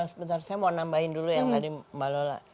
sebentar saya mau nambahin dulu yang tadi mbak lola